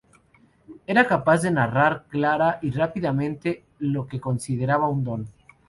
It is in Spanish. Era capaz de narrar clara y rápidamente, lo que consideraba un don.